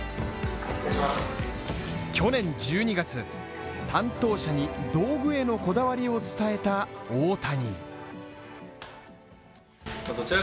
去年１２月、担当者に、道具へのこだわりを伝えた大谷。